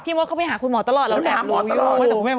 พี่ว่าเข้าไปหาคุณหมอตลอดแล้วแอบรู้อยู่